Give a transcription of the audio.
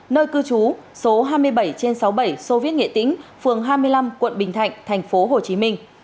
nơi cư trú số hai mươi bảy trên sáu mươi bảy xô viết nghệ tính phường hai mươi năm quận bình thạnh thành phố hồ chí minh